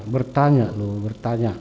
bertanya loh bertanya